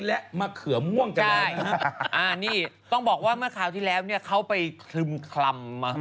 แล้วก็ทะเบียน๔กไก่สสารา